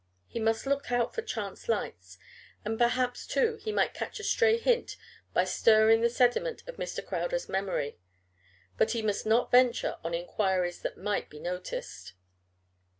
He must look out for chance lights, and perhaps, too, he might catch a stray hint by stirring the sediment of Mr. Crowder's memory. But he must not venture on enquiries that might be noticed.